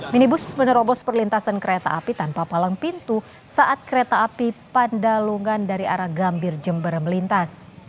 minibus menerobos perlintasan kereta api tanpa palang pintu saat kereta api pandalungan dari arah gambir jember melintas